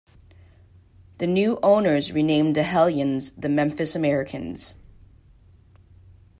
The new owners renamed the Hellions the Memphis Americans.